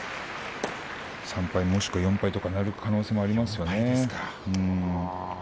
３敗、もしくは４敗になる可能性もありますからね。